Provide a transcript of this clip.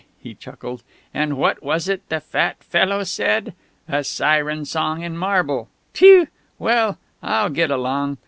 '" he chuckled. "And what was it the fat fellow said?' A Siren Song in Marble!' Phew!... Well, I'll get along.